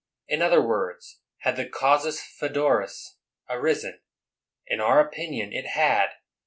In other words, had the casus foederis arisen ? In our opinion it had.